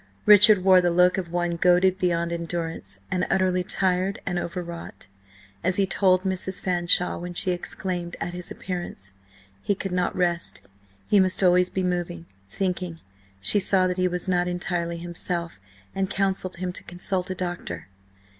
Richard wore the look of one goaded beyond endurance, and utterly tired and overwrought. As he told Mrs. Fanshawe, when she exclaimed at his appearance–he could not rest; he must always be moving, thinking. She saw that he was not entirely himself, and counselled him to consult a doctor.